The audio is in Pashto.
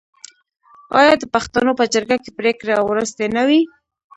آیا د پښتنو په جرګه کې پریکړه وروستۍ نه وي؟